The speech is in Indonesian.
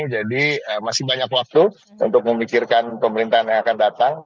jadi masih banyak waktu untuk memikirkan pemerintahan yang akan datang